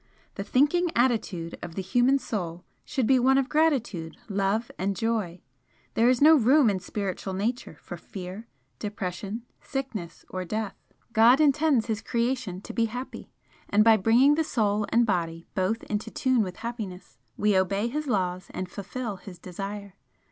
The thinking attitude of the human Soul should be one of gratitude, love and joy. There is no room in Spiritual Nature for fear, depression, sickness or death. God intends His creation to be happy, and by bringing the Soul and Body both into tune with happiness we obey His laws and fulfil His desire.